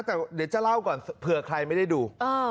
แต่เดี๋ยวจะเล่าก่อนเผื่อใครไม่ได้ดู